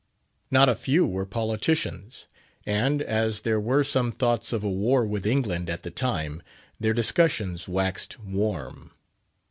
Not a few were politicians; and, as there were some thoughts of a war with England at the time, their discussions waxed warm.